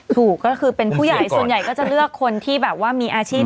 ถูกก็คือเป็นผู้ใหญ่ส่วนใหญ่ก็จะเลือกคนที่แบบว่ามีอาชีพ